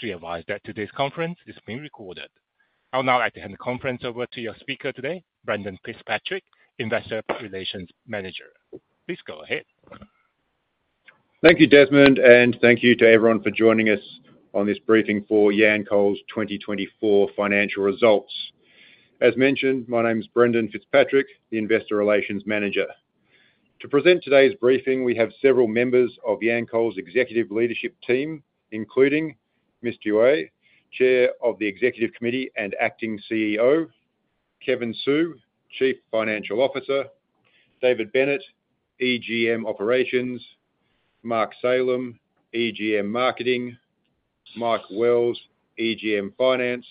Host advised that today's conference is being recorded. I would now like to hand the conference over to your speaker today, Brendan Fitzpatrick, Investor Relations Manager. Please go ahead. Thank you, Desmond, and thank you to everyone for joining us on this briefing for Yancoal's 2024 financial results. As mentioned, my name is Brendan Fitzpatrick, the Investor Relations Manager. To present today's briefing, we have several members of Yancoal's executive leadership team, including Miss Yue, Chair of the Executive Committee and Acting CEO, Kevin Su, Chief Financial Officer, David Bennett, EGM Operations, Mark Salem, EGM Marketing, Mike Wells, EGM Finance,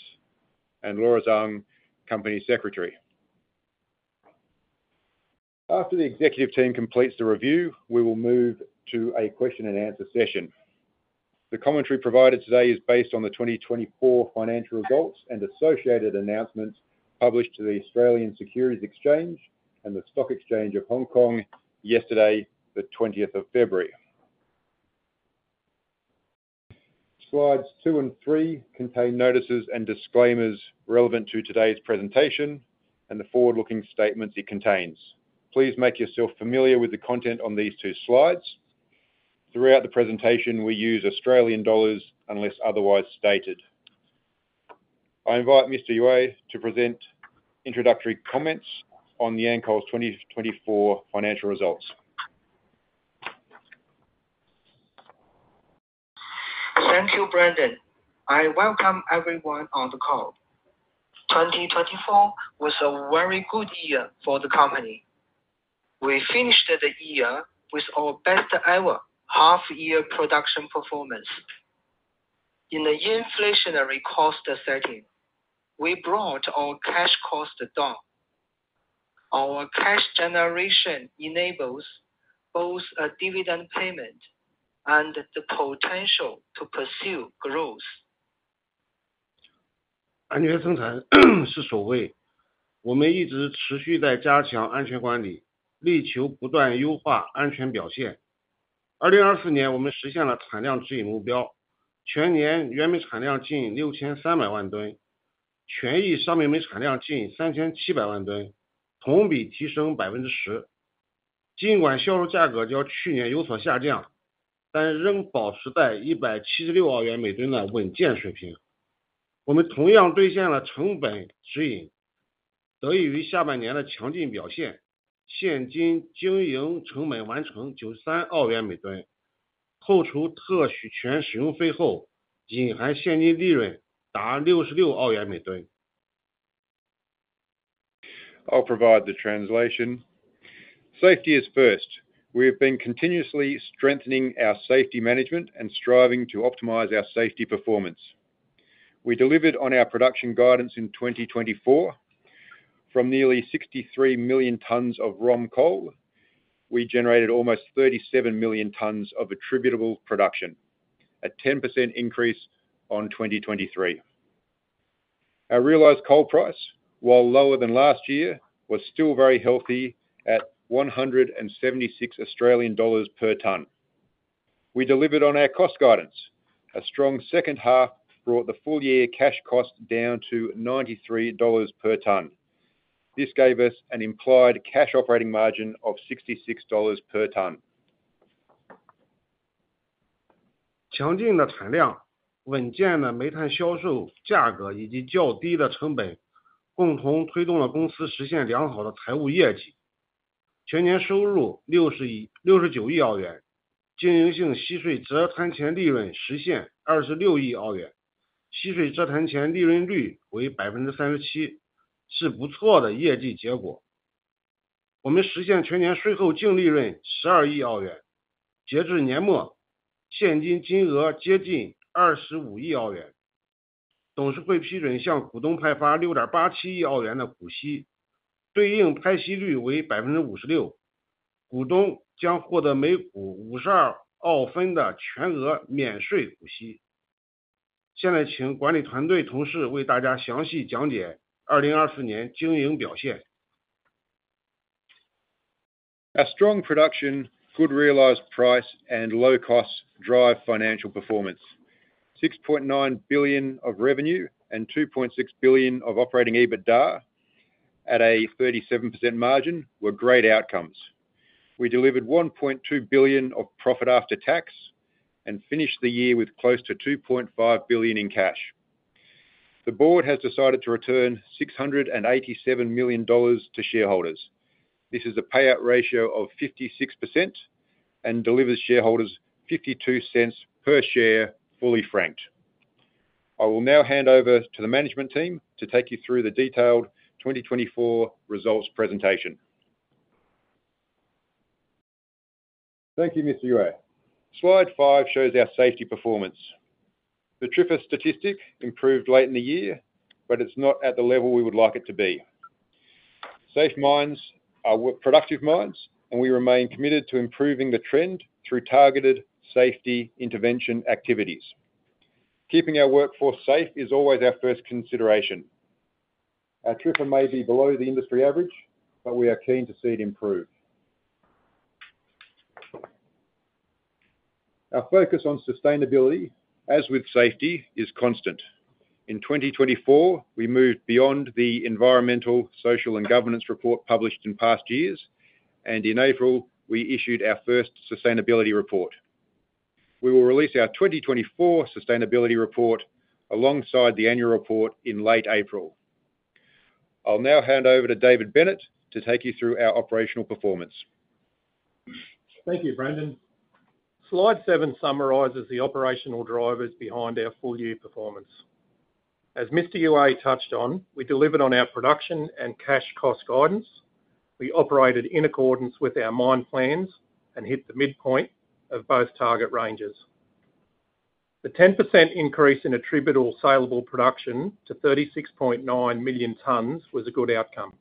and Laura Zhang, Company Secretary. After the executive team completes the review, we will move to a question-and-answer session. The commentary provided today is based on the 2024 financial results and associated announcements published to the Australian Securities Exchange and the Stock Exchange of Hong Kong yesterday, the 20th of February. Slides two and three contain notices and disclaimers relevant to today's presentation and the forward-looking statements it contains. Please make yourself familiar with the content on these two slides. Throughout the presentation, we use Australian dollars unless otherwise stated. I invite Mr. Yue to present introductory comments on Yancoal's 2024 financial results. Thank you, Brendan. I welcome everyone on the call. 2024 was a very good year for the company. We finished the year with our best-ever half-year production performance. In the inflationary cost setting, we brought our cash cost down. Our cash generation enables both a dividend payment and the potential to pursue growth. I'll provide the translation. Safety is first. We have been continuously strengthening our safety management and striving to optimize our safety performance. We delivered on our production guidance in 2024. From nearly 63 million tons of ROM coal, we generated almost 37 million tons of attributable production, a 10% increase on 2023. Our realized coal price, while lower than last year, was still very healthy at 176 Australian dollars per ton. We delivered on our cost guidance. A strong second half brought the full-year cash cost down to 93 dollars per ton. This gave us an implied cash operating margin of 66 dollars per ton. Increasing production as planned is what we call it. We have consistently strengthened safety management, striving to continuously optimize safety performance. In 2024, we achieved our production guidance targets, with total raw coal production reaching nearly 63 million tons and total commercial coal production reaching nearly 37 million tons, an increase of 10% year on year. Although sales prices declined compared to last year, they remained at a solid level of AUD 176 per ton. We also met our cost guidance; thanks to strong performance in the second half of the year, cash operating costs were AUD 93 per ton, and after royalties, implied cash profit reached AUD 66 per ton. A strong production, good realized price, and low costs drive financial performance. 6.9 billion of revenue and 2.6 billion of operating EBITDA at a 37% margin were great outcomes. We delivered 1.2 billion of profit after tax and finished the year with close to 2.5 billion in cash. The board has decided to return 687 million dollars to shareholders. This is a payout ratio of 56% and delivers shareholders 0.52 per share fully franked. I will now hand over to the management team to take you through the detailed 2024 results presentation. Thank you, Mr. Yue. Slide five shows our safety performance. The TRIFR statistic improved late in the year, but it's not at the level we would like it to be. Safe minds are productive minds, and we remain committed to improving the trend through targeted safety intervention activities. Keeping our workforce safe is always our first consideration. Our TRIFR may be below the industry average, but we are keen to see it improve. Our focus on sustainability, as with safety, is constant. In 2024, we moved beyond the Environmental, Social, and Governance report published in past years, and in April, we issued our first sustainability report. We will release our 2024 sustainability report alongside the annual report in late April. I'll now hand over to David Bennett to take you through our operational performance. Thank you, Brendan. Slide seven summarizes the operational drivers behind our full-year performance. As Mr. Yue touched on, we delivered on our production and cash cost guidance. We operated in accordance with our mine plans and hit the midpoint of both target ranges. The 10% increase in attributable saleable production to 36.9 million tons was a good outcome.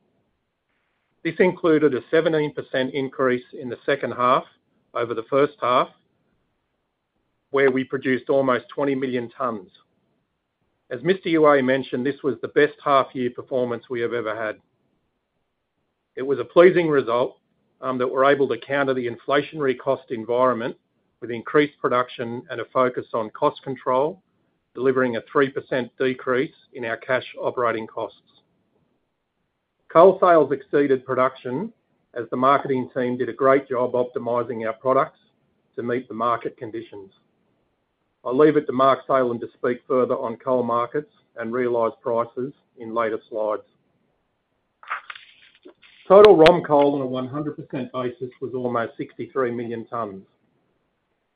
This included a 17% increase in the second half over the first half, where we produced almost 20 million tons. As Mr. Yue mentioned, this was the best half-year performance we have ever had. It was a pleasing result that we're able to counter the inflationary cost environment with increased production and a focus on cost control, delivering a 3% decrease in our cash operating costs. Coal sales exceeded production as the marketing team did a great job optimizing our products to meet the market conditions. I'll leave it to Mark Salem to speak further on coal markets and realized prices in later slides. Total ROM coal on a 100% basis was almost 63 million tons.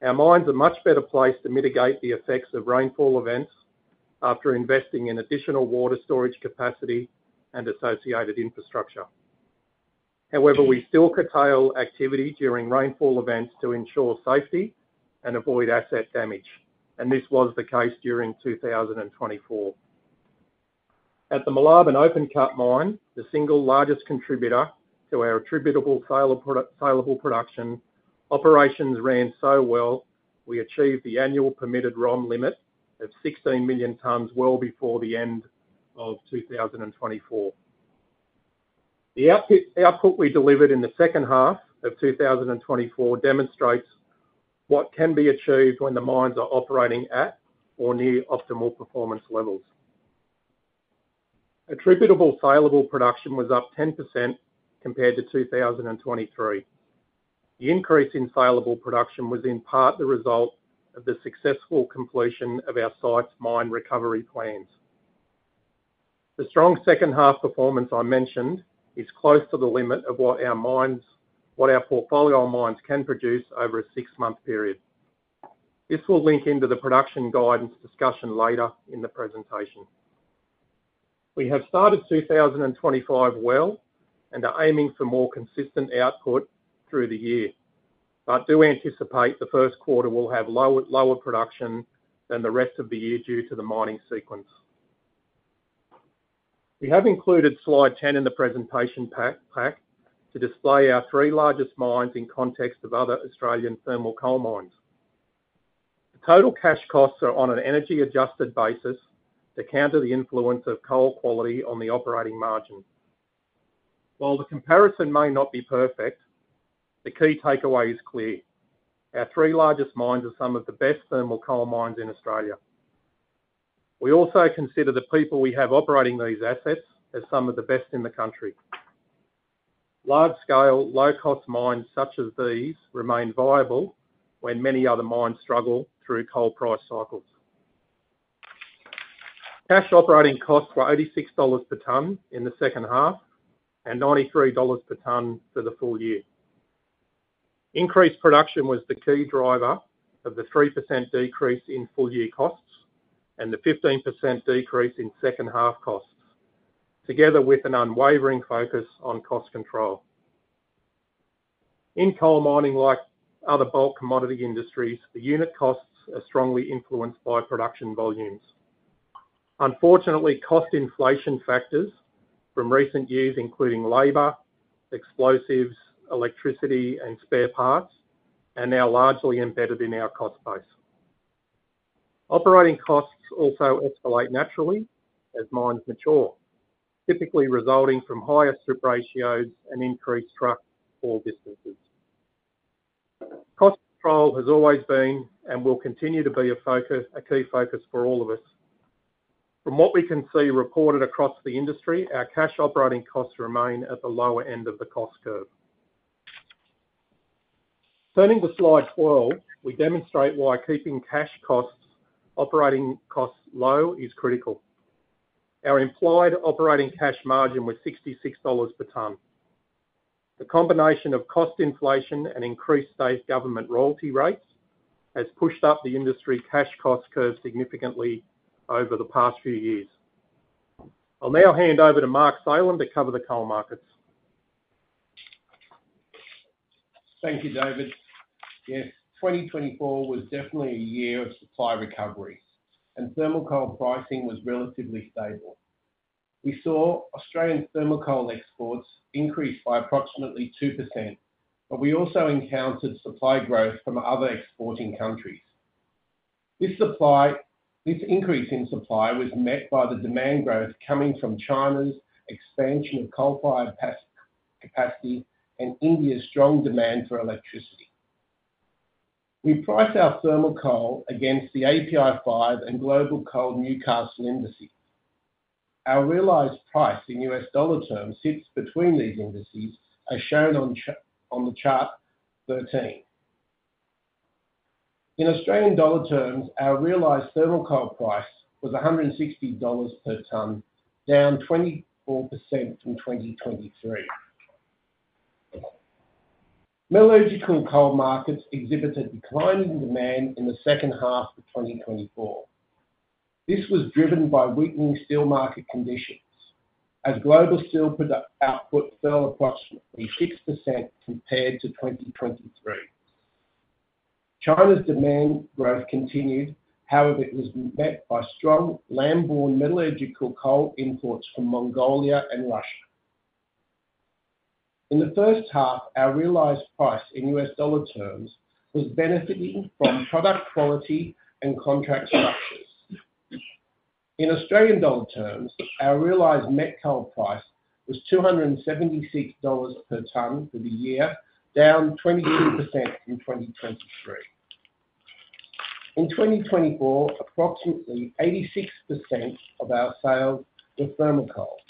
Our mines are much better placed to mitigate the effects of rainfall events after investing in additional water storage capacity and associated infrastructure. However, we still curtail activity during rainfall events to ensure safety and avoid asset damage, and this was the case during 2024. At the Moolarben open cut mine, the single largest contributor to our attributable saleable production, operations ran so well we achieved the annual permitted ROM limit of 16 million tons well before the end of 2024. The output we delivered in the second half of 2024 demonstrates what can be achieved when the mines are operating at or near optimal performance levels. Attributable saleable production was up 10% compared to 2023. The increase in saleable production was in part the result of the successful completion of our site's mine recovery plans. The strong second half performance I mentioned is close to the limit of what our portfolio of mines can produce over a six-month period. This will link into the production guidance discussion later in the presentation. We have started 2025 well and are aiming for more consistent output through the year, but do anticipate the first quarter will have lower production than the rest of the year due to the mining sequence. We have included slide 10 in the presentation pack to display our three largest mines in context of other Australian thermal coal mines. The total cash costs are on an energy-adjusted basis to counter the influence of coal quality on the operating margin. While the comparison may not be perfect, the key takeaway is clear: our three largest mines are some of the best thermal coal mines in Australia. We also consider the people we have operating these assets as some of the best in the country. Large-scale, low-cost mines such as these remain viable when many other mines struggle through coal price cycles. Cash operating costs were 86 dollars per ton in the second half and 93 dollars per ton for the full year. Increased production was the key driver of the 3% decrease in full-year costs and the 15% decrease in second half costs, together with an unwavering focus on cost control. In coal mining, like other bulk commodity industries, the unit costs are strongly influenced by production volumes. Unfortunately, cost inflation factors from recent years, including labor, explosives, electricity, and spare parts, are now largely embedded in our cost base. Operating costs also escalate naturally as mines mature, typically resulting from higher strip ratios and increased truck haul distances. Cost control has always been and will continue to be a key focus for all of us. From what we can see reported across the industry, our cash operating costs remain at the lower end of the cost curve. Turning to slide 12, we demonstrate why keeping cash costs operating costs low is critical. Our implied operating cash margin was 66 dollars per ton. The combination of cost inflation and increased state government royalty rates has pushed up the industry cash cost curve significantly over the past few years. I'll now hand over to Mark Salem to cover the coal markets. Thank you, David. Yes, 2024 was definitely a year of supply recovery, and thermal coal pricing was relatively stable. We saw Australian thermal coal exports increase by approximately 2%, but we also encountered supply growth from other exporting countries. This increase in supply was met by the demand growth coming from China's expansion of coal-fired capacity and India's strong demand for electricity. We price our thermal coal against the API 5 and Global Coal Newcastle indices. Our realized price in US dollar terms sits between these indices, as shown on Chart 13. In Australian dollar terms, our realized thermal coal price was 160 dollars per ton, down 24% from 2023. Metallurgical coal markets exhibited declining demand in the second half of 2024. This was driven by weakening steel market conditions, as global steel output fell approximately 6% compared to 2023. China's demand growth continued, however, it was met by strong land-borne metallurgical coal imports from Mongolia and Russia. In the first half, our realized price in US dollar terms was benefiting from product quality and contract structures. In Australian dollar terms, our realized met coal price was 276 dollars per ton for the year, down 22% from 2023. In 2024, approximately 86% of our sales were thermal coal, with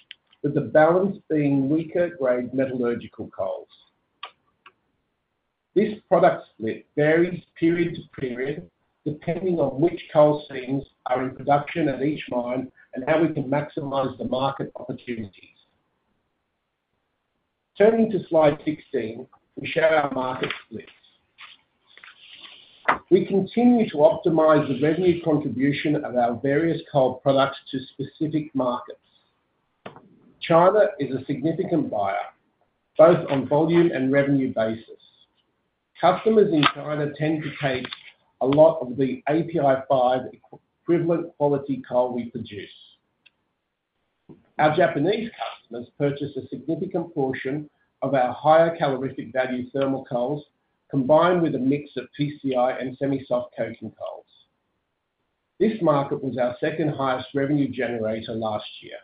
the balance being weaker-grade metallurgical coals. This product split varies period to period, depending on which coal seams are in production at each mine and how we can maximize the market opportunities. Turning to slide 16, we show our market splits. We continue to optimize the revenue contribution of our various coal products to specific markets. China is a significant buyer, both on volume and revenue basis. Customers in China tend to take a lot of the API 5 equivalent quality coal we produce. Our Japanese customers purchase a significant portion of our higher calorific value thermal coals combined with a mix of PCI and semi-soft coking coals. This market was our second highest revenue generator last year.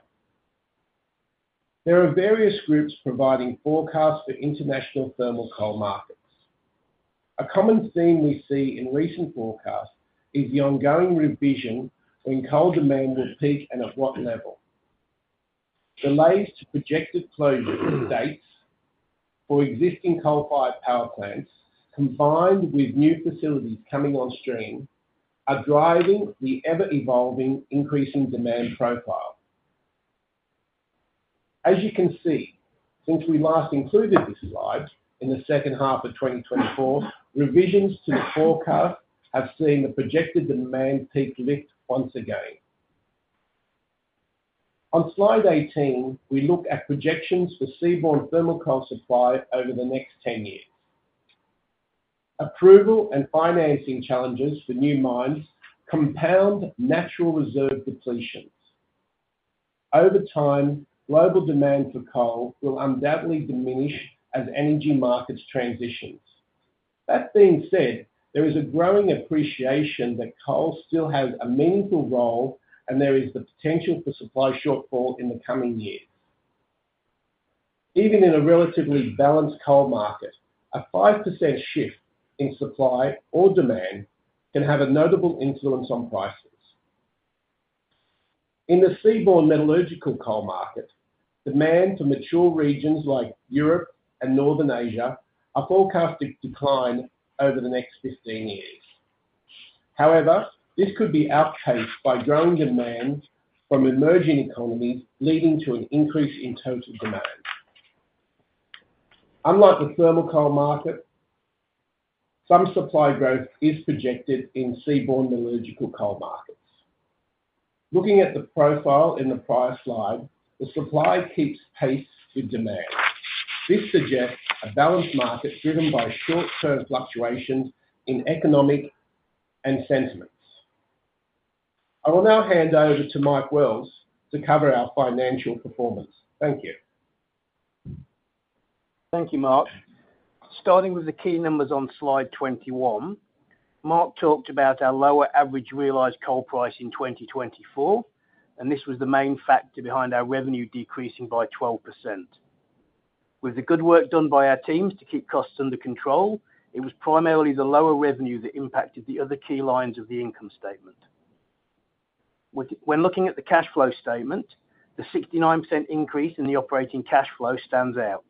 There are various groups providing forecasts for international thermal coal markets. A common theme we see in recent forecasts is the ongoing revision when coal demand will peak and at what level. Delays to projected closure dates for existing coal-fired power plants combined with new facilities coming on stream are driving the ever-evolving increasing demand profile. As you can see, since we last included this slide in the second half of 2024, revisions to the forecast have seen the projected demand peak lift once again. On slide 18, we look at projections for seaborne thermal coal supply over the next 10 years. Approval and financing challenges for new mines compound natural reserve depletions. Over time, global demand for coal will undoubtedly diminish as energy markets transition. That being said, there is a growing appreciation that coal still has a meaningful role and there is the potential for supply shortfall in the coming years. Even in a relatively balanced coal market, a 5% shift in supply or demand can have a notable influence on prices. In the seaborne metallurgical coal market, demand for mature regions like Europe and Northern Asia are forecast to decline over the next 15 years. However, this could be outpaced by growing demand from emerging economies, leading to an increase in total demand. Unlike the thermal coal market, some supply growth is projected in seaborne metallurgical coal markets. Looking at the profile in the prior slide, the supply keeps pace with demand. This suggests a balanced market driven by short-term fluctuations in economic sentiments. I will now hand over to Mark Wells to cover our financial performance. Thank you. Thank you, Mark. Starting with the key numbers on slide 21, Mark talked about our lower average realized coal price in 2024, and this was the main factor behind our revenue decreasing by 12%. With the good work done by our teams to keep costs under control, it was primarily the lower revenue that impacted the other key lines of the income statement. When looking at the cash flow statement, the 69% increase in the operating cash flow stands out.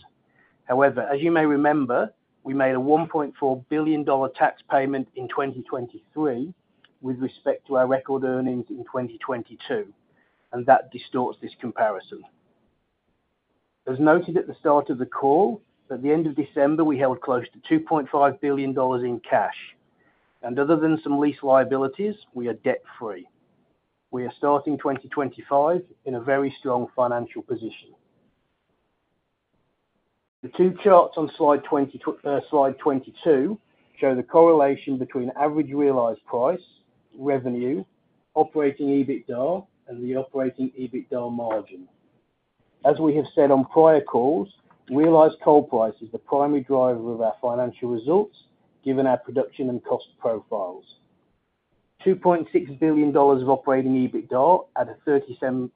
However, as you may remember, we made a 1.4 billion dollar tax payment in 2023 with respect to our record earnings in 2022, and that distorts this comparison. As noted at the start of the call, at the end of December, we held close to 2.5 billion dollars in cash, and other than some lease liabilities, we are debt-free. We are starting 2025 in a very strong financial position. The two charts on slide 22 show the correlation between average realized price, revenue, operating EBITDA, and the operating EBITDA margin. As we have said on prior calls, realized coal price is the primary driver of our financial results given our production and cost profiles. 2.6 billion dollars of operating EBITDA at a 37%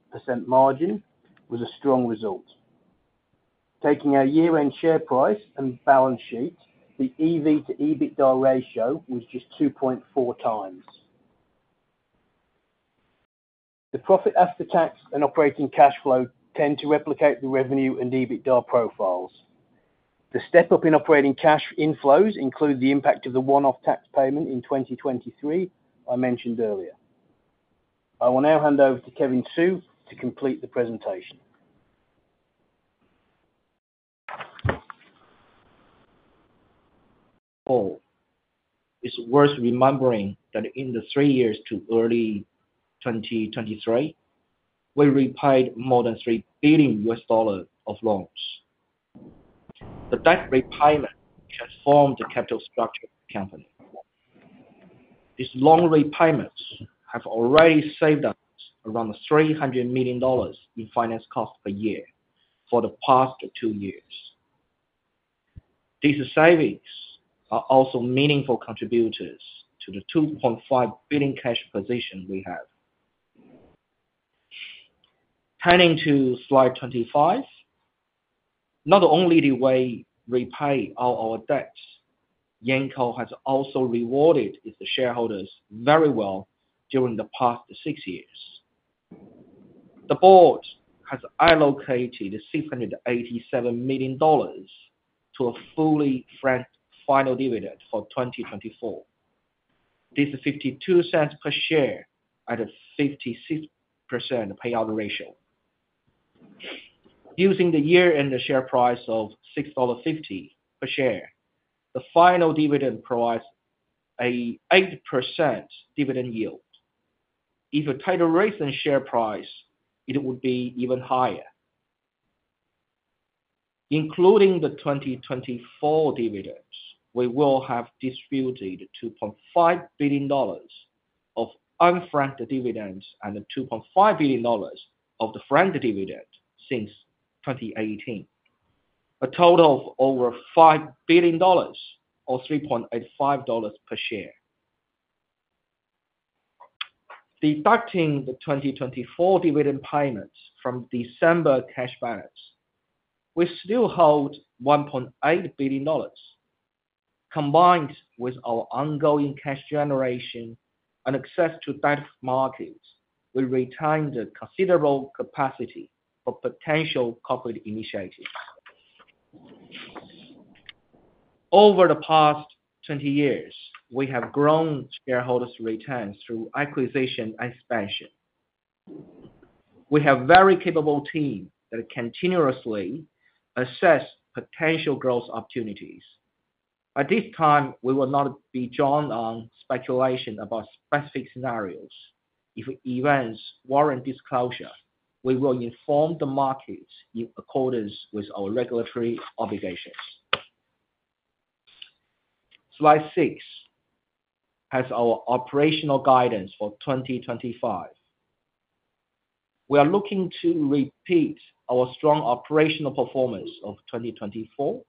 margin was a strong result. Taking our year-end share price and balance sheet, the EV to EBITDA ratio was just 2.4 times. The profit after tax and operating cash flow tend to replicate the revenue and EBITDA profiles. The step-up in operating cash inflows includes the impact of the one-off tax payment in 2023 I mentioned earlier. I will now hand over to Kevin Su to complete the presentation. All. It's worth remembering that in the three years to early 2023, we repaid more than AUD 3 billion of loans. The debt repayment transformed the capital structure of the company. These long repayments have already saved us around 300 million dollars in finance costs per year for the past two years. These savings are also meaningful contributors to the 2.5 billion cash position we have. Turning to slide 25, not only did we repay all our debts, Yancoal has also rewarded its shareholders very well during the past six years. The board has allocated 687 million dollars to a fully-funded final dividend for 2024. This is 0.52 per share at a 56% payout ratio. Using the year-end share price of 6.50 dollar per share, the final dividend provides an 8% dividend yield. If it had a raised share price, it would be even higher. Including the 2024 dividends, we will have distributed 2.5 billion dollars of unfunded dividends and 2.5 billion dollars of the funded dividend since 2018, a total of over 5 billion dollars or 3.85 dollars per share. Deducting the 2024 dividend payments from December cash balance, we still hold 1.8 billion dollars. Combined with our ongoing cash generation and access to debt markets, we retain the considerable capacity for potential corporate initiatives. Over the past 20 years, we have grown shareholders' returns through acquisition and expansion. We have a very capable team that continuously assesses potential growth opportunities. At this time, we will not be drawn on speculation about specific scenarios. If events warrant disclosure, we will inform the markets in accordance with our regulatory obligations. Slide 6 has our operational guidance for 2025. We are looking to repeat our strong operational performance of 2024.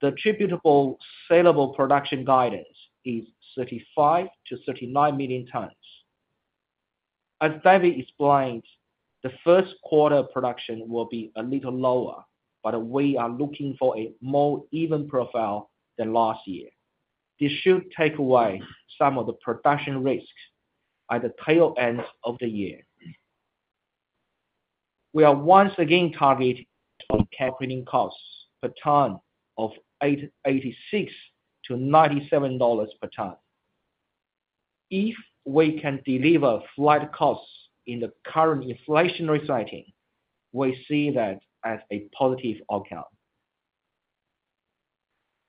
The attributable saleable production guidance is 35 to 39 million tons. As David explained, the first quarter production will be a little lower, but we are looking for a more even profile than last year. This should take away some of the production risk at the tail end of the year. We are once again targeting on operating costs per ton of 86-97 dollars per ton. If we can deliver freight costs in the current inflationary setting, we see that as a positive outcome.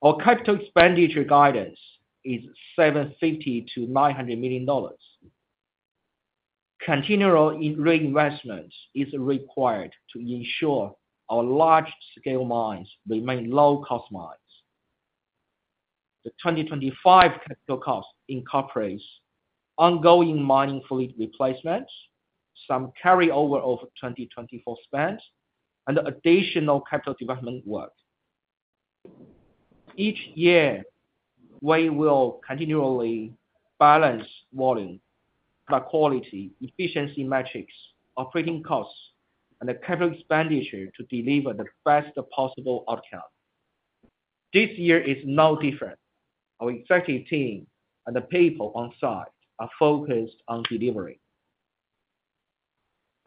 Our capital expenditure guidance is 750 million-900 million dollars. Continual reinvestment is required to ensure our large-scale mines remain low-cost mines. The 2025 capital cost incorporates ongoing mining fleet replacements, some carryover of 2024 spend, and additional capital development work. Each year, we will continually balance volume by quality, efficiency metrics, operating costs, and the capital expenditure to deliver the best possible outcome. This year is no different. Our executive team and the people on site are focused on delivery.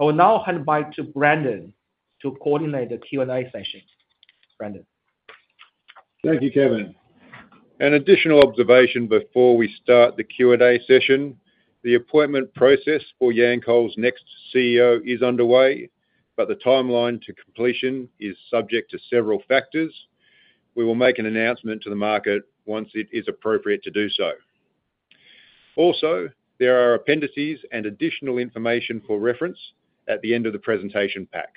I will now hand back to Brendan to coordinate the Q&A session. Brendan. Thank you, Kevin. An additional observation before we start the Q&A session. The appointment process for Yancoal's next CEO is underway, but the timeline to completion is subject to several factors. We will make an announcement to the market once it is appropriate to do so. Also, there are appendices and additional information for reference at the end of the presentation pack.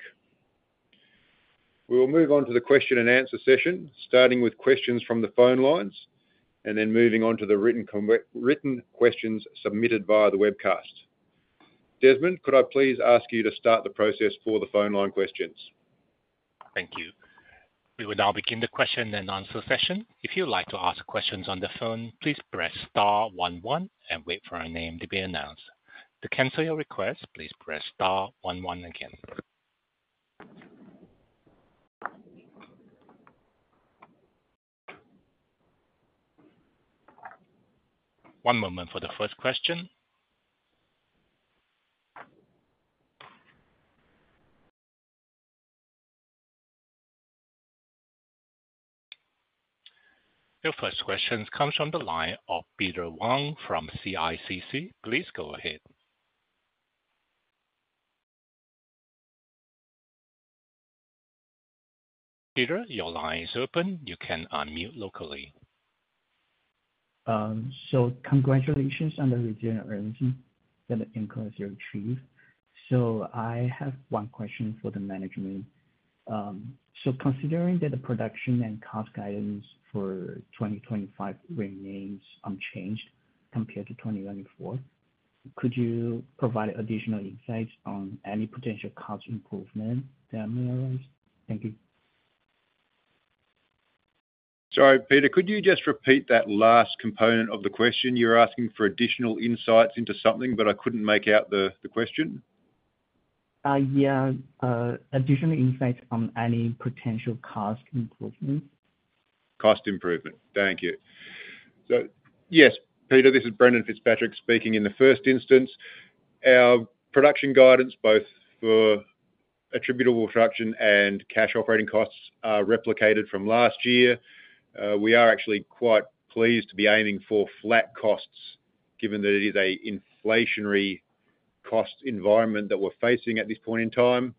We will move on to the question and answer session, starting with questions from the phone lines and then moving on to the written questions submitted via the webcast. Desmond, could I please ask you to start the process for the phone line questions? Thank you. We will now begin the question and answer session. If you'd like to ask questions on the phone, please press star 11 and wait for a name to be announced. To cancel your request, please press star 11 again. One moment for the first question. Your first question comes from the line of Peter Wong from CICC. Please go ahead. Peter, your line is open. You can unmute locally. Congratulations on the return earnings that the income has retrieved. I have one question for the management. Considering that the production and cost guidance for 2025 remains unchanged compared to 2024, could you provide additional insights on any potential cost improvement that may arise? Thank you. Sorry, Peter, could you just repeat that last component of the question? You're asking for additional insights into something, but I couldn't make out the question. Yeah, additional insights on any potential cost improvements. Cost improvement. Thank you. So yes, Peter, this is Brendan Fitzpatrick speaking in the first instance. Our production guidance, both for attributable production and cash operating costs, are replicated from last year. We are actually quite pleased to be aiming for flat costs, given that it is an inflationary cost environment that we're facing at this point in time,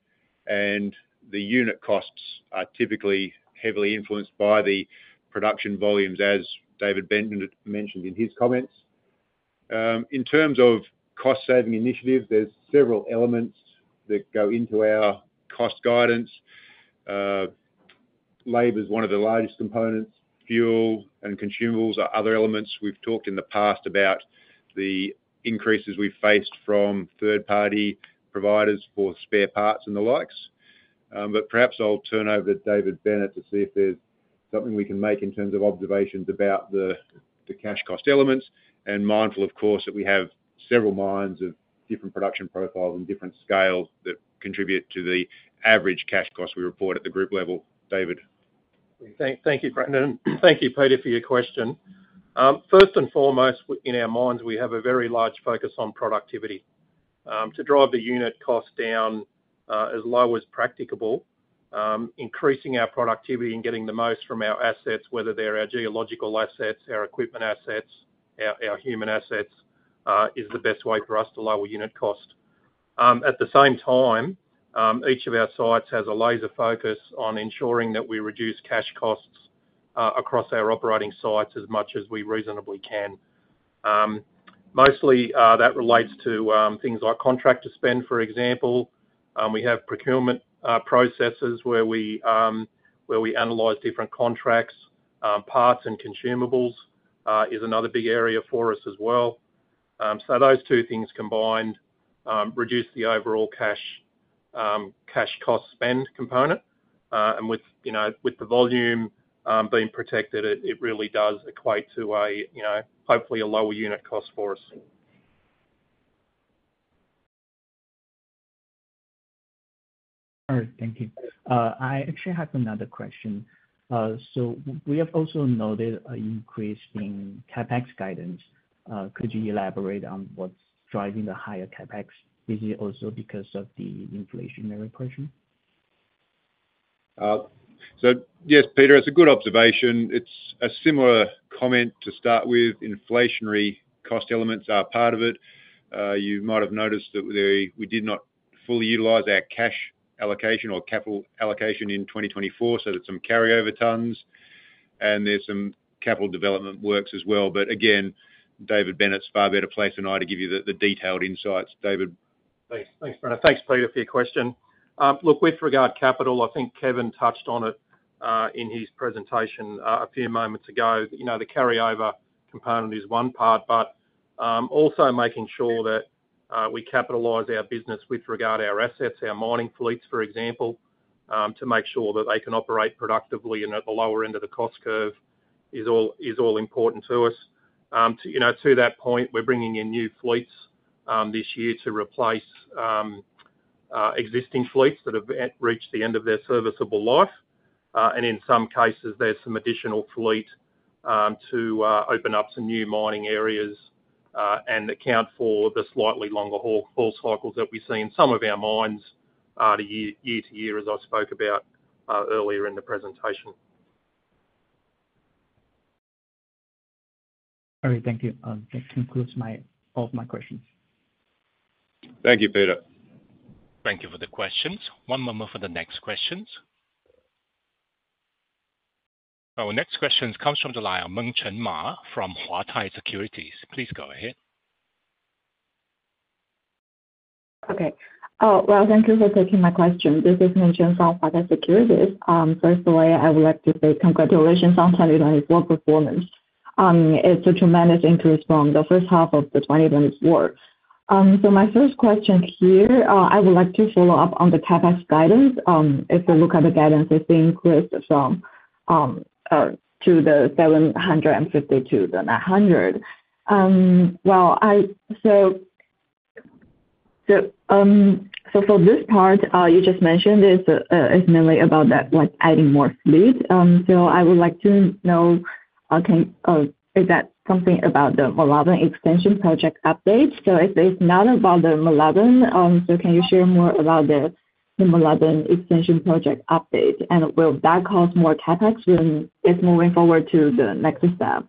and the unit costs are typically heavily influenced by the production volumes, as David Bennett mentioned in his comments. In terms of cost-saving initiatives, there are several elements that go into our cost guidance. Labor is one of the largest components. Fuel and consumables are other elements. We've talked in the past about the increases we've faced from third-party providers for spare parts and the likes. But perhaps I'll turn over to David Bennett to see if there's something we can make in terms of observations about the cash cost elements. Mindful, of course, that we have several mines of different production profiles and different scales that contribute to the average cash cost we report at the group level. David. Thank you, Brendan. Thank you, Peter, for your question. First and foremost, in our minds, we have a very large focus on productivity. To drive the unit cost down as low as practicable, increasing our productivity and getting the most from our assets, whether they're our geological assets, our equipment assets, our human assets, is the best way for us to lower unit cost. At the same time, each of our sites has a laser focus on ensuring that we reduce cash costs across our operating sites as much as we reasonably can. Mostly, that relates to things like contractor spend, for example. We have procurement processes where we analyze different contracts. Parts and consumables is another big area for us as well. So those two things combined reduce the overall cash cost spend component. And with the volume being protected, it really does equate to hopefully a lower unit cost for us. All right. Thank you. I actually have another question. So we have also noted an increase in CapEx guidance. Could you elaborate on what's driving the higher CapEx? Is it also because of the inflationary pressure? So yes, Peter, that's a good observation. It's a similar comment to start with. Inflationary cost elements are part of it. You might have noticed that we did not fully utilize our cash allocation or capital allocation in 2024. So there's some carryover tons, and there's some capital development works as well. But again, David Bennett's far better placed than I to give you the detailed insights. David. Thanks, Brendan. Thanks, Peter, for your question. Look, with regard to capital, I think Kevin touched on it in his presentation a few moments ago. The carryover component is one part, but also making sure that we capitalize our business with regard to our assets, our mining fleets, for example, to make sure that they can operate productively and at the lower end of the cost curve is all important to us. To that point, we're bringing in new fleets this year to replace existing fleets that have reached the end of their serviceable life. And in some cases, there's some additional fleet to open up some new mining areas and account for the slightly longer haul cycles that we see in some of our mines year to year, as I spoke about earlier in the presentation. All right. Thank you. That concludes all of my questions. Thank you, Peter. Thank you for the questions. One moment for the next questions. Our next question comes from the line of Meng Chen Ma from Huatai Securities. Please go ahead. Okay. Well, thank you for taking my question. This is Meng Chen Ma from Huatai Securities. First of all, I would like to say congratulations on 2024 performance. It's a tremendous increase from the first half of 2024. So my first question here, I would like to follow up on the CapEx guidance. If we look at the guidance, it's increased from 2,750 to 900. Well, so for this part, you just mentioned it's mainly about adding more fleets. So I would like to know, is that something about the Moolarben Extension Project update? So if it's not about the Moolarben, so can you share more about the Moolarben Extension Project update? And will that cause more CapEx when it's moving forward to the next step?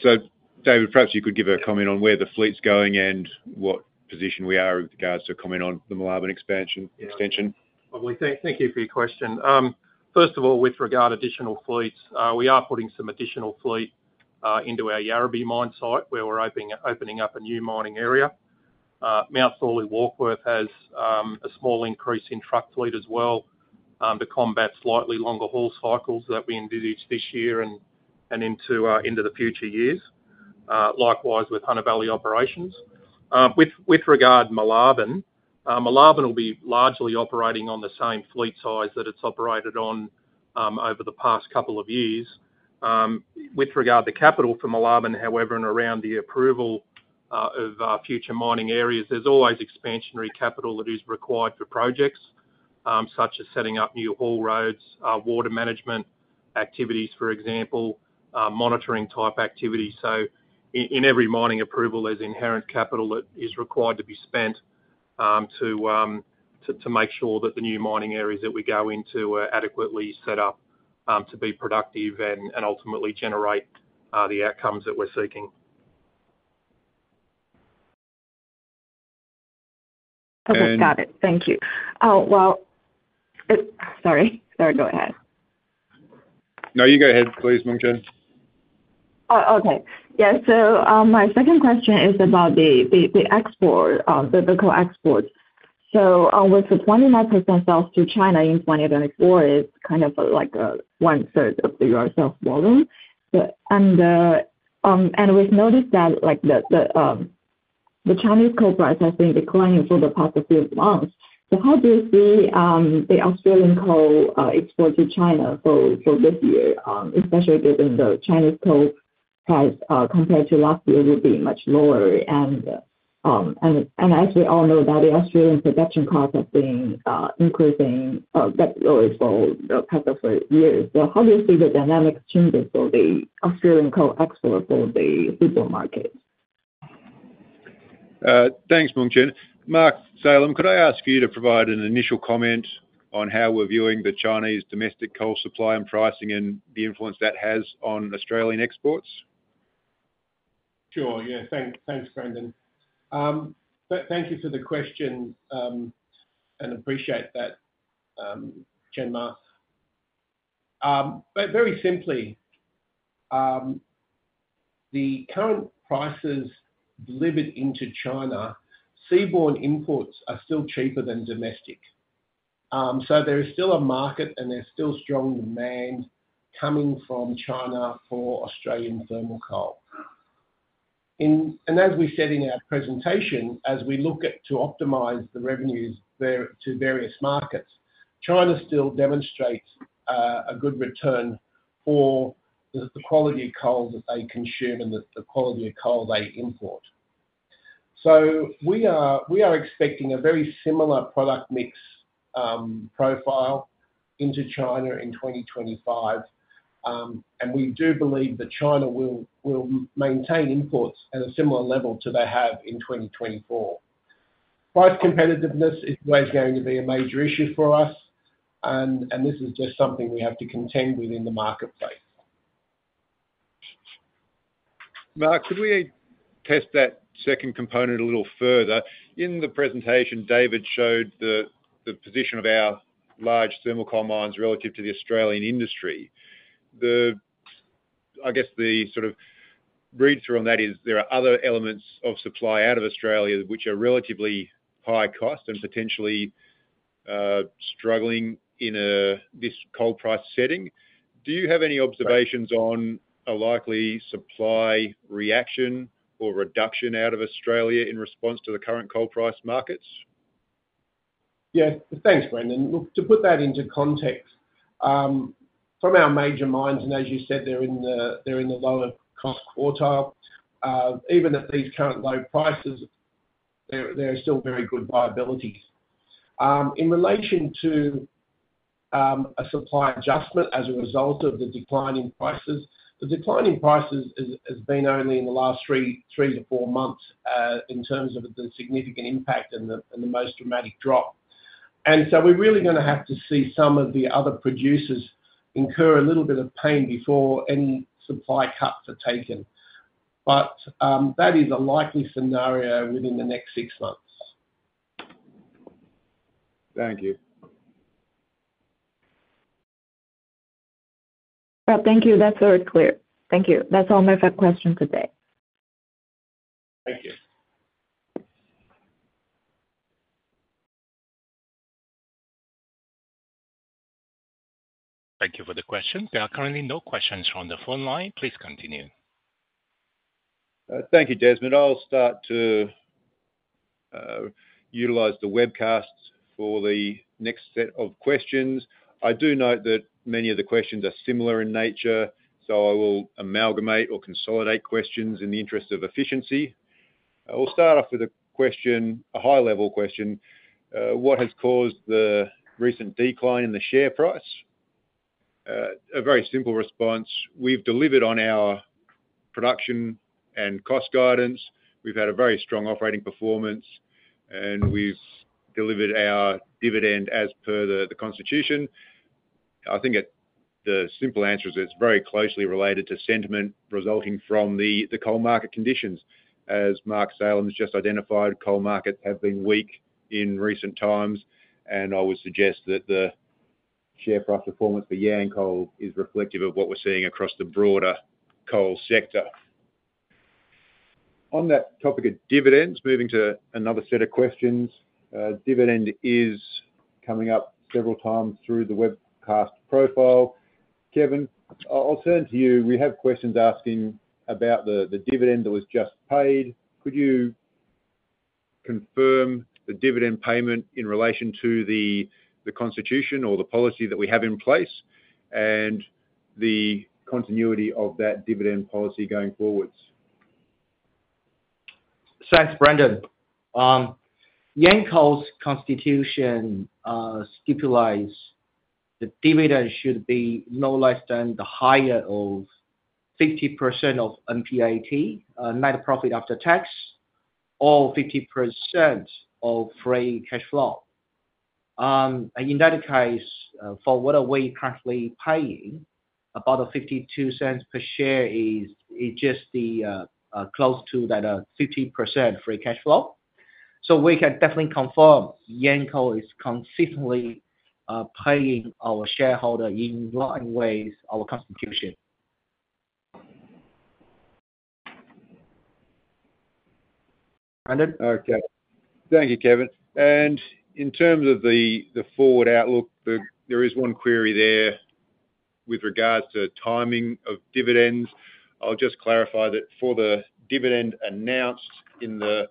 So, David, perhaps you could give a comment on where the fleet's going and what position we are with regards to comment on the Moolarben Extension. Thank you for your question. First of all, with regard to additional fleets, we are putting some additional fleet into our Yarrabee mine site where we're opening up a new mining area. Mount Thorley Warkworth has a small increase in truck fleet as well to combat slightly longer haul cycles that we envisaged this year and into the future years, likewise with Hunter Valley Operations. With regard to Moolarben, Moolarben will be largely operating on the same fleet size that it's operated on over the past couple of years. With regard to the capital for Moolarben, however, and around the approval of future mining areas, there's always expansionary capital that is required for projects such as setting up new haul roads, water management activities, for example, monitoring-type activities. In every mining approval, there's inherent capital that is required to be spent to make sure that the new mining areas that we go into are adequately set up to be productive and ultimately generate the outcomes that we're seeking. I've got it. Thank you. Oh, well, sorry. Sorry, go ahead. No, you go ahead, please, Meng Chen. Oh, okay. Yeah. So my second question is about the export, the coal exports. So with the 29% sales to China in 2024, it's kind of like one-third of the total sales volume. And we've noticed that the Chinese coal price has been declining for the past few months. So how do you see the Australian coal export to China for this year, especially given the Chinese coal price compared to last year will be much lower? And as we all know, the Australian production costs have been increasing for the past few years. So how do you see the dynamic changes for the Australian coal export for the seaborne market? Thanks, Meng Chen. Mark Salem, could I ask you to provide an initial comment on how we're viewing the Chinese domestic coal supply and pricing and the influence that has on Australian exports? Sure. Yeah. Thanks, Brendan. Thank you for the question and appreciate that, Meng Chen Ma. But very simply, the current prices delivered into China, seaborne imports are still cheaper than domestic. So there is still a market and there's still strong demand coming from China for Australian thermal coal. And as we said in our presentation, as we look to optimize the revenues to various markets, China still demonstrates a good return for the quality of coal that they consume and the quality of coal they import. So we are expecting a very similar product mix profile into China in 2025. And we do believe that China will maintain imports at a similar level to they have in 2024. Price competitiveness is always going to be a major issue for us. And this is just something we have to contend with in the marketplace. Mark, could we test that second component a little further? In the presentation, David showed the position of our large thermal coal mines relative to the Australian industry. I guess the sort of read-through on that is there are other elements of supply out of Australia which are relatively high cost and potentially struggling in this coal price setting. Do you have any observations on a likely supply reaction or reduction out of Australia in response to the current coal price markets? Yeah. Thanks, Brendan. Look, to put that into context, from our major mines, and as you said, they're in the lower cost quartile, even at these current low prices, there are still very good viabilities. In relation to a supply adjustment as a result of the decline in prices, the decline in prices has been only in the last three to four months in terms of the significant impact and the most dramatic drop, and so we're really going to have to see some of the other producers incur a little bit of pain before any supply cuts are taken, but that is a likely scenario within the next six months. Thank you. Thank you. That's very clear. Thank you. That's all my questions today. Thank you. Thank you for the question. There are currently no questions from the phone line. Please continue. Thank you, Desmond. I'll start to utilize the webcast for the next set of questions. I do note that many of the questions are similar in nature, so I will amalgamate or consolidate questions in the interest of efficiency. I'll start off with a high-level question. What has caused the recent decline in the share price? A very simple response. We've delivered on our production and cost guidance. We've had a very strong operating performance, and we've delivered our dividend as per the constitution. I think the simple answer is it's very closely related to sentiment resulting from the coal market conditions. As Mark Salem has just identified, coal markets have been weak in recent times. And I would suggest that the share price performance for Yancoal is reflective of what we're seeing across the broader coal sector. On that topic of dividends, moving to another set of questions. Dividend is coming up several times through the webcast profile. Kevin, I'll turn to you. We have questions asking about the dividend that was just paid. Could you confirm the dividend payment in relation to the constitution or the policy that we have in place and the continuity of that dividend policy going forwards? Thanks, Brendan. Yancoal's constitution stipulates the dividend should be no less than the higher of 50% of NPAT, net profit after tax, or 50% of free cash flow. In that case, for what we're currently paying, about 0.52 per share is just close to that 50% free cash flow. So we can definitely confirm Yancoal is consistently paying our shareholders in line with our constitution. Brendan? Okay. Thank you, Kevin. And in terms of the forward outlook, there is one query there with regards to timing of dividends. I'll just clarify that for the dividend announced in the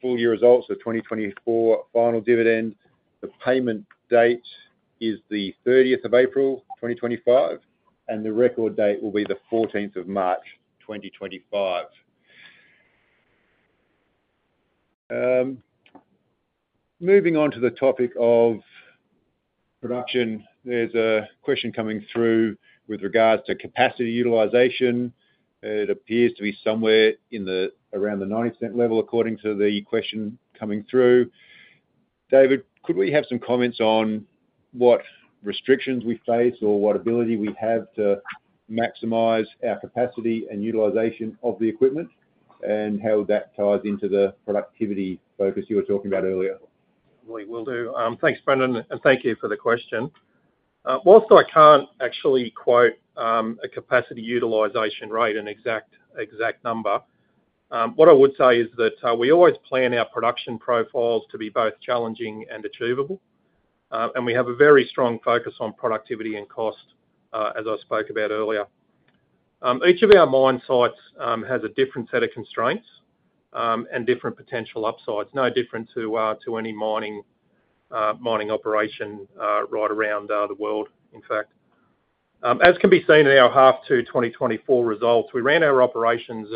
full year results, the 2024 final dividend, the payment date is the 30th of April, 2025, and the record date will be the 14th of March, 2025. Moving on to the topic of production, there's a question coming through with regards to capacity utilization. It appears to be somewhere around the 90% level according to the question coming through. David, could we have some comments on what restrictions we face or what ability we have to maximize our capacity and utilization of the equipment and how that ties into the productivity focus you were talking about earlier? We will do. Thanks, Brendan, and thank you for the question. While I can't actually quote a capacity utilization rate, an exact number, what I would say is that we always plan our production profiles to be both challenging and achievable. And we have a very strong focus on productivity and cost, as I spoke about earlier. Each of our mine sites has a different set of constraints and different potential upsides, no different to any mining operation right around the world, in fact. As can be seen in our H1 2024 results, we ran our operations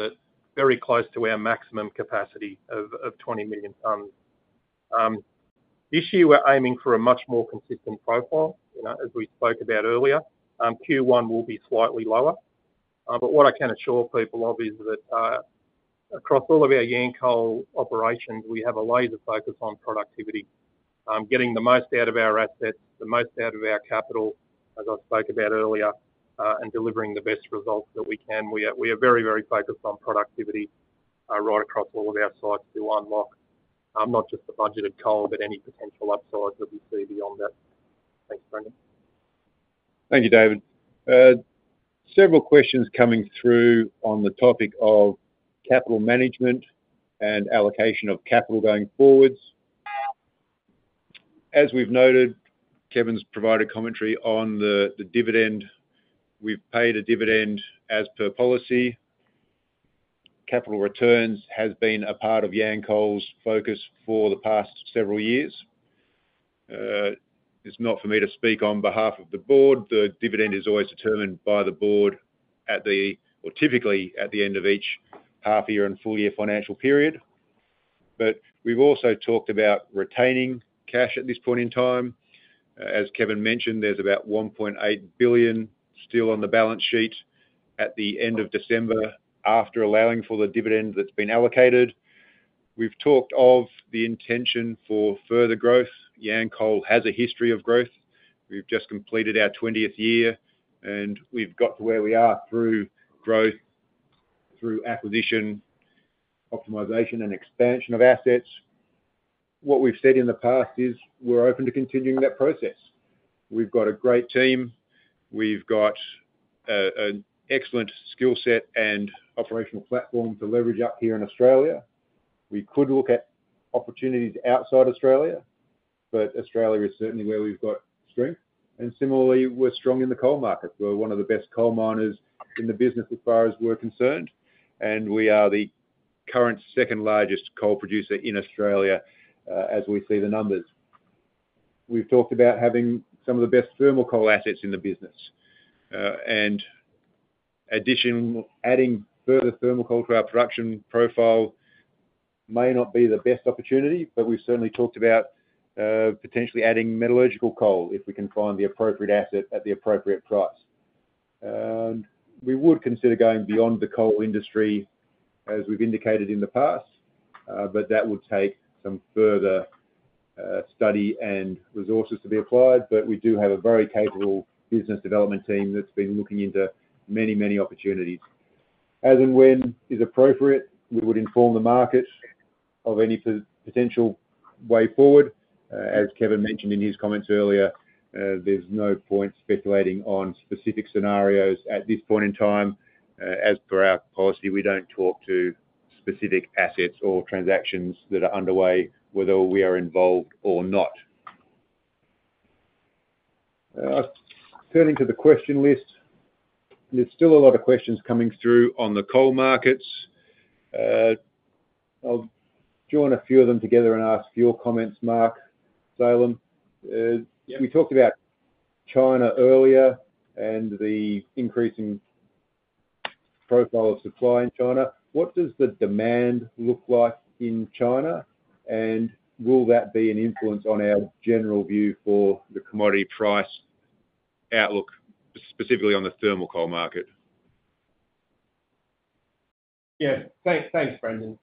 very close to our maximum capacity of 20 million tons. This year, we're aiming for a much more consistent profile. As we spoke about earlier, Q1 will be slightly lower. But what I can assure people of is that across all of our Yancoal operations, we have a laser focus on productivity, getting the most out of our assets, the most out of our capital, as I spoke about earlier, and delivering the best results that we can. We are very, very focused on productivity right across all of our sites to unlock not just the budgeted coal, but any potential upsides that we see beyond that. Thanks, Brendan. Thank you, David. Several questions coming through on the topic of capital management and allocation of capital going forwards. As we've noted, Kevin's provided commentary on the dividend. We've paid a dividend as per policy. Capital returns have been a part of Yancoal's focus for the past several years. It's not for me to speak on behalf of the board. The dividend is always determined by the board or typically at the end of each half-year and full-year financial period. But we've also talked about retaining cash at this point in time. As Kevin mentioned, there's about 1.8 billion still on the balance sheet at the end of December after allowing for the dividend that's been allocated. We've talked of the intention for further growth. Yancoal has a history of growth. We've just completed our 20th year, and we've got to where we are through growth, through acquisition, optimization, and expansion of assets. What we've said in the past is we're open to continuing that process. We've got a great team. We've got an excellent skill set and operational platform to leverage up here in Australia. We could look at opportunities outside Australia, but Australia is certainly where we've got strength. And similarly, we're strong in the coal market. We're one of the best coal miners in the business as far as we're concerned. And we are the current second-largest coal producer in Australia as we see the numbers. We've talked about having some of the best thermal coal assets in the business. Adding further thermal coal to our production profile may not be the best opportunity, but we've certainly talked about potentially adding metallurgical coal if we can find the appropriate asset at the appropriate price. We would consider going beyond the coal industry as we've indicated in the past, but that would take some further study and resources to be applied. We do have a very capable business development team that's been looking into many, many opportunities. As and when is appropriate, we would inform the market of any potential way forward. As Kevin mentioned in his comments earlier, there's no point speculating on specific scenarios at this point in time. As per our policy, we don't talk to specific assets or transactions that are underway, whether we are involved or not. Turning to the question list, there's still a lot of questions coming through on the coal markets. I'll join a few of them together and ask your comments, Mark Salem. We talked about China earlier and the increasing profile of supply in China. What does the demand look like in China, and will that be an influence on our general view for the commodity price outlook, specifically on the thermal coal market? Yeah. Thanks, Brendan.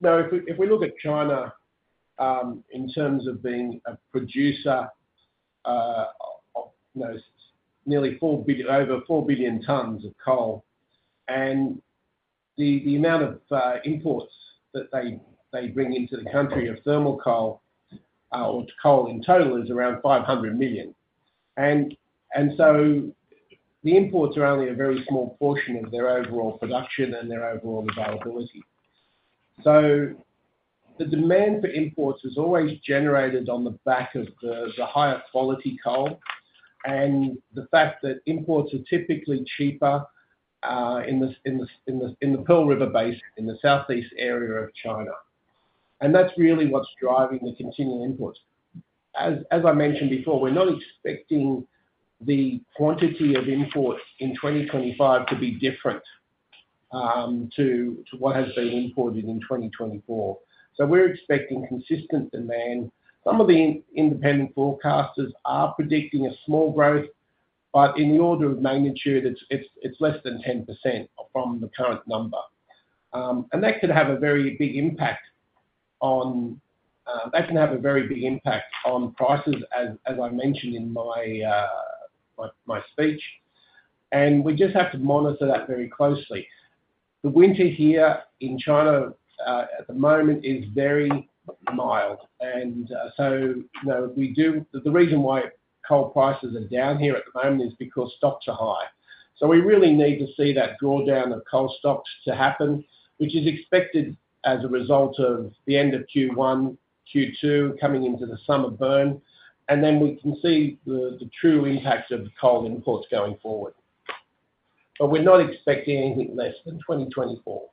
Now, if we look at China in terms of being a producer of nearly over 4 billion tons of coal, and the amount of imports that they bring into the country of thermal coal or coal in total is around 500 million. And so the imports are only a very small portion of their overall production and their overall availability. So the demand for imports is always generated on the back of the higher quality coal and the fact that imports are typically cheaper in the Pearl River Basin in the southeast area of China. And that's really what's driving the continued imports. As I mentioned before, we're not expecting the quantity of imports in 2025 to be different to what has been imported in 2024. So we're expecting consistent demand. Some of the independent forecasters are predicting a small growth, but in the order of magnitude, it's less than 10% from the current number. That could have a very big impact on prices, as I mentioned in my speech. We just have to monitor that very closely. The winter here in China at the moment is very mild. The reason why coal prices are down here at the moment is because stocks are high. We really need to see that drawdown of coal stocks to happen, which is expected as a result of the end of Q1, Q2, coming into the summer burn. Then we can see the true impact of coal imports going forward. We're not expecting anything less than 2024.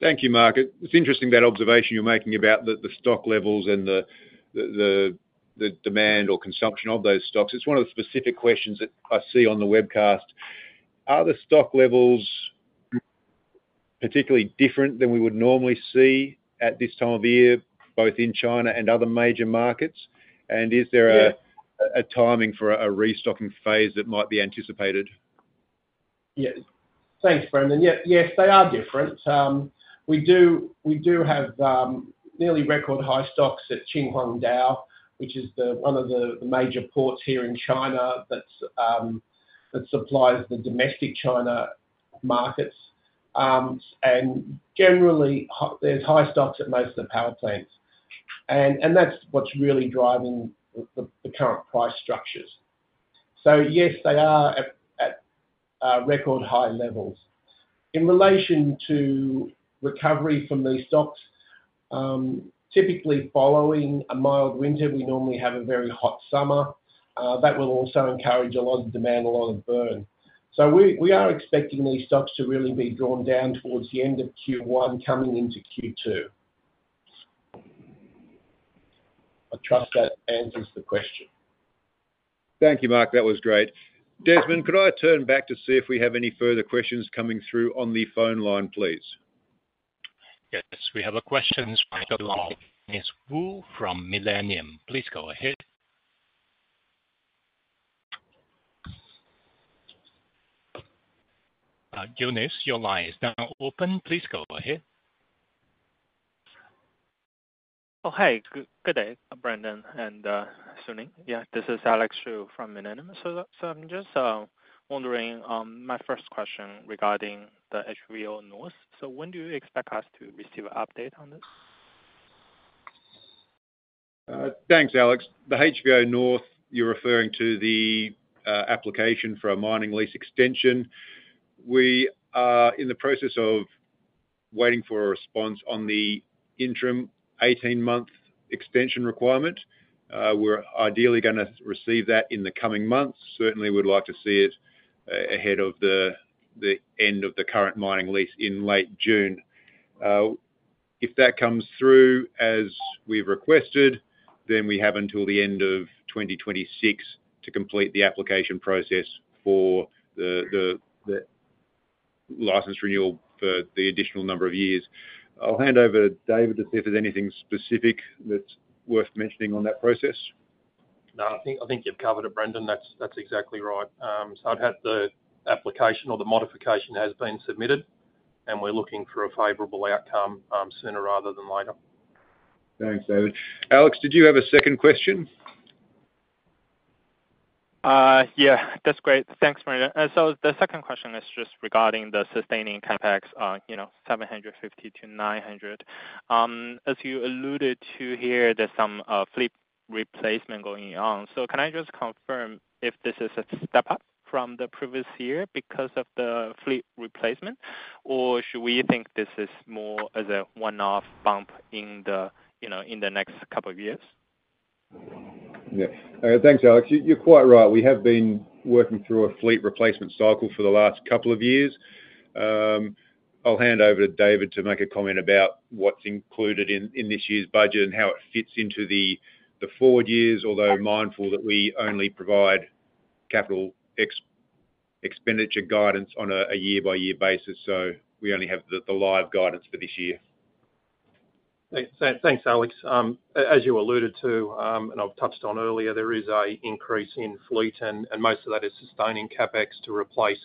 Thank you, Mark. It's interesting that observation you're making about the stock levels and the demand or consumption of those stocks. It's one of the specific questions that I see on the webcast. Are the stock levels particularly different than we would normally see at this time of year, both in China and other major markets? And is there a timing for a restocking phase that might be anticipated? Yes. Thanks, Brendan. Yes, they are different. We do have nearly record high stocks at Qinhuangdao, which is one of the major ports here in China that supplies the domestic China markets. And generally, there's high stocks at most of the power plants. And that's what's really driving the current price structures. So yes, they are at record high levels. In relation to recovery from these stocks, typically following a mild winter, we normally have a very hot summer. That will also encourage a lot of demand, a lot of burn. So we are expecting these stocks to really be drawn down towards the end of Q1, coming into Q2. I trust that answers the question. Thank you, Mark. That was great. Desmond, could I turn back to see if we have any further questions coming through on the phone line, please? Yes, we have a question from Alex Shu from Millennium. Please go ahead. Alex Shu, your line is now open. Please go ahead. Oh, hey. Good day, Brendan and Ning Su. Yeah, this is Alex Shu from Millennium. So I'm just wondering, my first question regarding the HVO North. So when do you expect us to receive an update on this? Thanks, Alex. The HVO North, you're referring to the application for a mining lease extension. We are in the process of waiting for a response on the interim 18-month extension requirement. We're ideally going to receive that in the coming months. Certainly, we'd like to see it ahead of the end of the current mining lease in late June. If that comes through as we've requested, then we have until the end of 2026 to complete the application process for the license renewal for the additional number of years. I'll hand over to David to see if there's anything specific that's worth mentioning on that process. No, I think you've covered it, Brendan. That's exactly right. So I've had the application or the modification has been submitted, and we're looking for a favorable outcome sooner rather than later. Thanks, David. Alex, did you have a second question? Yeah, that's great. Thanks, Brendan. So the second question is just regarding the sustaining CapEx, 750-900. As you alluded to here, there's some fleet replacement going on. So can I just confirm if this is a step up from the previous year because of the fleet replacement, or should we think this is more as a one-off bump in the next couple of years? Yeah. Thanks, Alex. You're quite right. We have been working through a fleet replacement cycle for the last couple of years. I'll hand over to David to make a comment about what's included in this year's budget and how it fits into the forward years, although mindful that we only provide capital expenditure guidance on a year-by-year basis. So we only have the live guidance for this year. Thanks, Alex. As you alluded to and I've touched on earlier, there is an increase in fleet, and most of that is sustaining CapEx to replace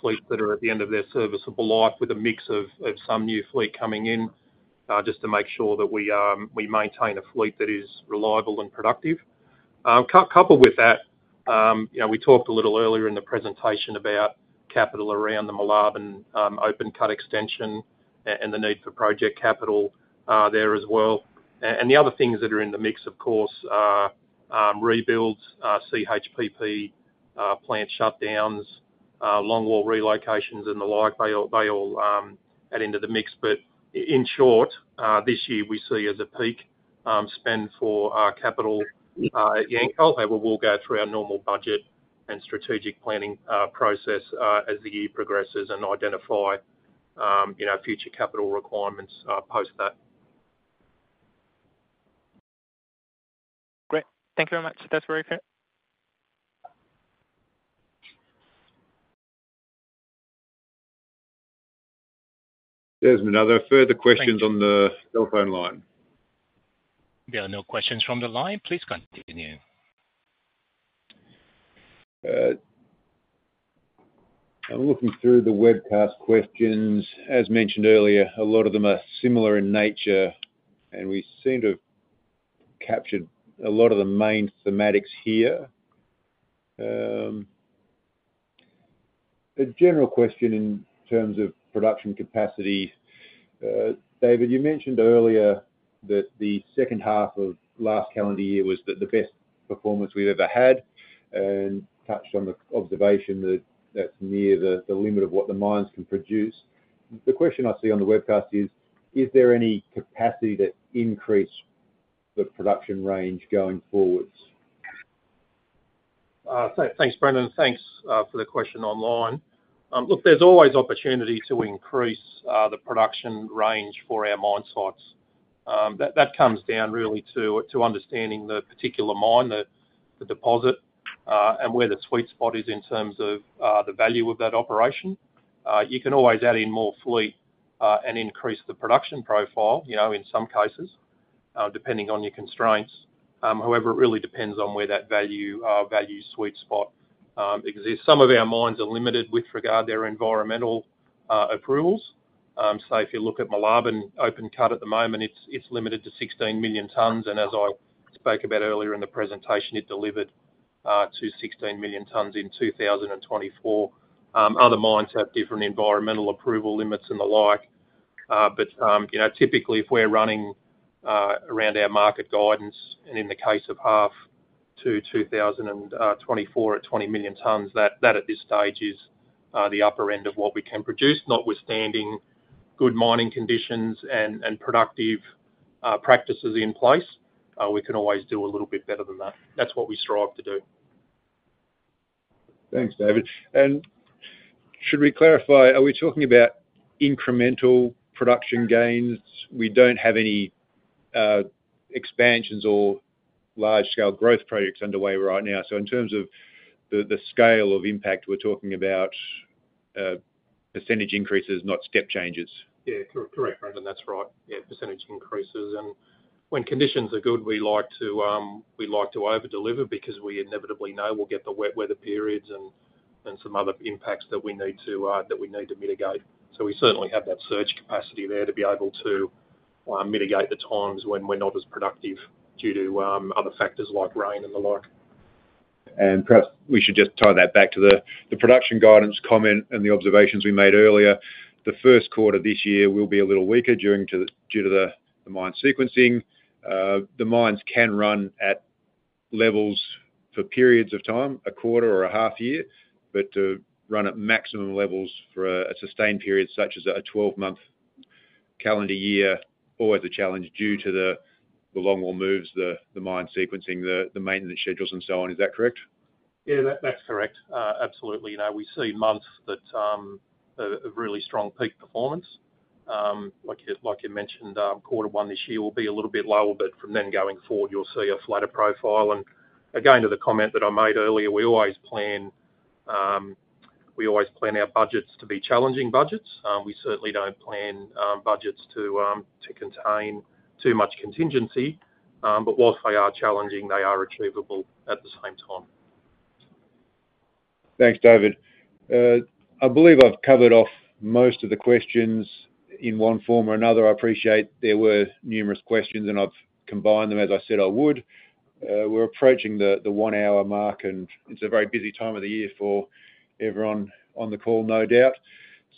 fleets that are at the end of their serviceable life with a mix of some new fleet coming in just to make sure that we maintain a fleet that is reliable and productive. Coupled with that, we talked a little earlier in the presentation about capital around the Moolarben open-cut extension and the need for project capital there as well, and the other things that are in the mix, of course, are rebuilds, CHPP plant shutdowns, long-haul relocations, and the like. They all add into the mix, but in short, this year, we see as a peak spend for capital at Yancoal. However, we'll go through our normal budget and strategic planning process as the year progresses and identify future capital requirements post that. Great. Thank you very much. That's very clear. Desmond, are there further questions on the telephone line? There are no questions from the line. Please continue. I'm looking through the webcast questions. As mentioned earlier, a lot of them are similar in nature, and we seem to have captured a lot of the main thematics here. A general question in terms of production capacity. David, you mentioned earlier that the second half of last calendar year was the best performance we've ever had and touched on the observation that that's near the limit of what the mines can produce. The question I see on the webcast is, is there any capacity to increase the production range going forwards? Thanks, Brendan. Thanks for the question online. Look, there's always opportunity to increase the production range for our mine sites. That comes down really to understanding the particular mine, the deposit, and where the sweet spot is in terms of the value of that operation. You can always add in more fleet and increase the production profile in some cases, depending on your constraints. However, it really depends on where that value sweet spot exists. Some of our mines are limited with regard to their environmental approvals. So if you look at Moolarben open-cut at the moment, it's limited to 16 million tons. And as I spoke about earlier in the presentation, it delivered to 16 million tons in 2024. Other mines have different environmental approval limits and the like. But typically, if we're running around our market guidance and in the case of half to 2024 at 20 million tons, that at this stage is the upper end of what we can produce. Notwithstanding good mining conditions and productive practices in place, we can always do a little bit better than that. That's what we strive to do. Thanks, David. And should we clarify, are we talking about incremental production gains? We don't have any expansions or large-scale growth projects underway right now. So in terms of the scale of impact, we're talking about percentage increases, not step changes. Yeah, correct, Brendan. That's right. Yeah, percentage increases, and when conditions are good, we like to overdeliver because we inevitably know we'll get the wet weather periods and some other impacts that we need to mitigate, so we certainly have that surge capacity there to be able to mitigate the times when we're not as productive due to other factors like rain and the like. Perhaps we should just tie that back to the production guidance comment and the observations we made earlier. The first quarter of this year will be a little weaker due to the mine sequencing. The mines can run at levels for periods of time, a quarter or a half year, but to run at maximum levels for a sustained period such as a 12-month calendar year always a challenge due to the long-haul moves, the mine sequencing, the maintenance schedules, and so on. Is that correct? Yeah, that's correct. Absolutely. We see months that have really strong peak performance. Like you mentioned, quarter one this year will be a little bit lower, but from then going forward, you'll see a flatter profile. And again, to the comment that I made earlier, we always plan our budgets to be challenging budgets. We certainly don't plan budgets to contain too much contingency, but while they are challenging, they are achievable at the same time. Thanks, David. I believe I've covered off most of the questions in one form or another. I appreciate there were numerous questions, and I've combined them as I said I would. We're approaching the one-hour mark, and it's a very busy time of the year for everyone on the call, no doubt.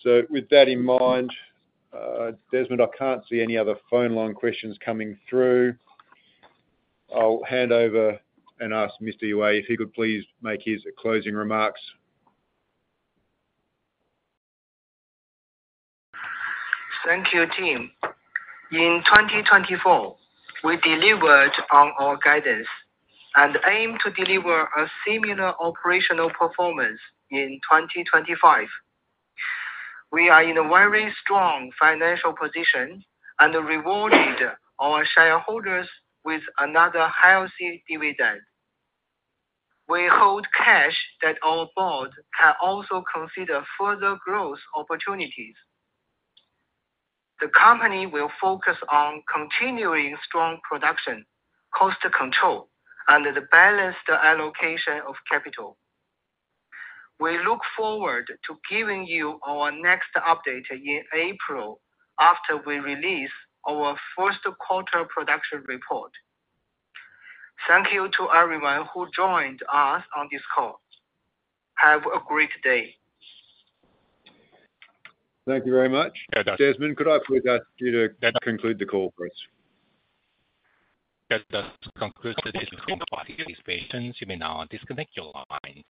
So with that in mind, Desmond, I can't see any other phone line questions coming through. I'll hand over and ask Mr. Yue if he could please make his closing remarks. Thank you, team. In 2024, we delivered on our guidance and aim to deliver a similar operational performance in 2025. We are in a very strong financial position and rewarded our shareholders with another healthy dividend. We hold cash that our board can also consider further growth opportunities. The company will focus on continuing strong production, cost control, and the balanced allocation of capital. We look forward to giving you our next update in April after we release our first quarter production report. Thank you to everyone who joined us on this call. Have a great day. Thank you very much. Desmond, could I please ask you to conclude the call for us? Just to conclude today's information participation, you may now disconnect your line.